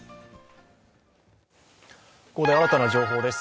ここで新たな情報です。